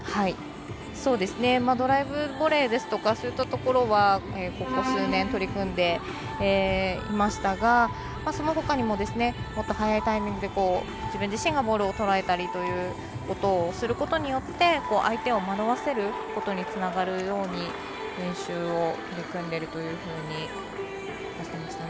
ドライブボレーですとかそういったところはここ数年、取り組んでいましたがそのほかにももっと早いタイミングで自分自身がボールをとらえたりということをすることによって相手を惑わせることにつながるように練習を取り組んでいるというふうに話していました。